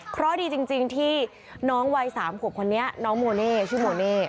เพราะดีจริงที่น้องวัย๓ขวบคนนี้น้องโมเน่ชื่อโมเน่